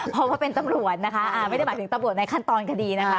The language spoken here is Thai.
เพราะว่าเป็นตำรวจนะคะไม่ได้หมายถึงตำรวจในขั้นตอนคดีนะคะ